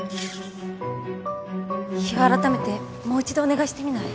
日を改めてもう一度お願いしてみない？